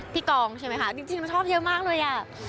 กองใช่ไหมคะจริงชอบเยอะมากเลยอ่ะ